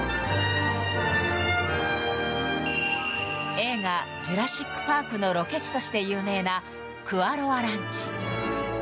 映画「ジュラシック・パーク」のロケ地として有名なクアロア・ランチ。